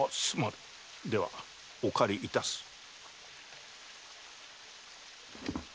すまんではお借りいたす。